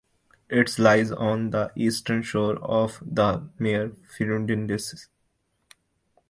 It lies on the eastern shore of the Mare Fecunditatis.